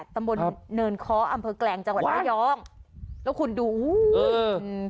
ตำบลเนินค้ออำเภอแกลงจังหวัดระยองแล้วคุณดูอุ้ย